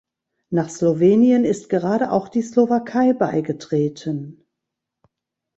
Nach Slowenien ist gerade auch die Slowakei beigetreten.